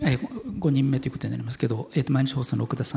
５人目ということになりますけど毎日放送の奥田さん